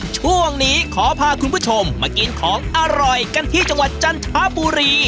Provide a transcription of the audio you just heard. ช่วงนี้ขอพาคุณผู้ชมมากินของอร่อยกันที่จังหวัดจันทบุรี